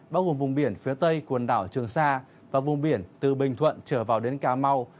bao gồm vùng biển phía tây quần đảo trường sa và vùng biển từ bình thuận trở vào đến cà mau